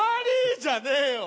じゃねえよ。